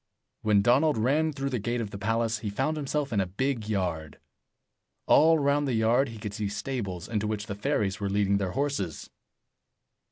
When Donald ran through the gate of the palace, he found himself in a big yard. All round the yard he could see stables, into which the fairies were leading their horses.